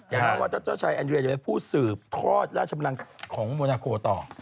อย่างนั้นว่าเจ้าชายแอนเดรียจะเป็นผู้สืบทอดราชบันลังของมนาโกต่อ